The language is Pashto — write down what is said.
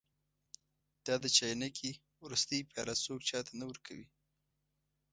دا د چاینکې وروستۍ پیاله څوک چا ته نه ورکوي.